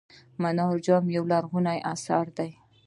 منار جام یو لرغونی اثر دی.